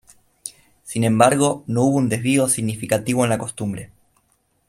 Sin embargo, no hubo un desvío significativo en la costumbre.